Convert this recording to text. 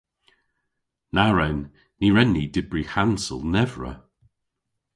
Na wren. Ny wren ni dybri hansel nevra.